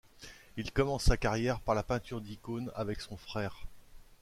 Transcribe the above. Il commence sa carrière par la peinture d'icônes avec son frère.